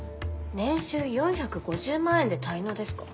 年収４５０万円で滞納ですか？